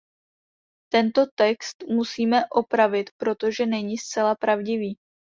Tento text musíme opravit, protože není zcela pravdivý.